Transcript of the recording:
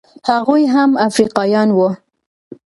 هغوی هم افریقایان وو.